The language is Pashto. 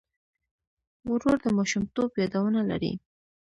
ورور د ماشومتوب یادونه لري.